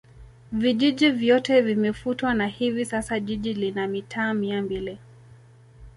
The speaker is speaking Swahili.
vijiji vyote vimefutwa na hivi sasa jiji lina mitaa mia mbili